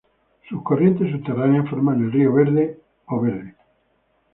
Sus corrientes subterráneas forman el río Verde o Green.